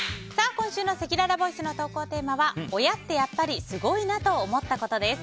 今週のせきららボイスの投稿テーマは親ってやっぱりすごいなと思ったことです。